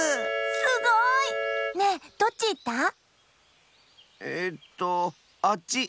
すごい！ねえどっちいった？ええっとあっち！